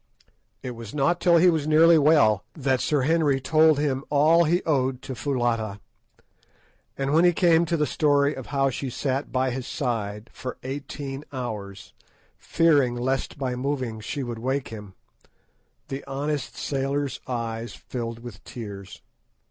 It was not till he was nearly well that Sir Henry told him of all he owed to Foulata; and when he came to the story of how she sat by his side for eighteen hours, fearing lest by moving she should wake him, the honest sailor's eyes filled with tears.